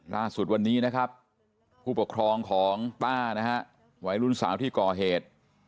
ล่าสุดวันนี้นะครับผู้ปกครองของต้านะฮะวัยรุ่นสาวที่ก่อเหตุ